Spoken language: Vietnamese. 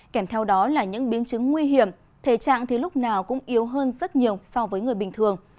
kèm theo đó là những biến chứng nguy hiểm thể trạng thì lúc nào cũng yếu hơn rất nhiều so với người bình thường